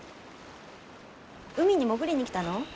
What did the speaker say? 海に潜りに来たの？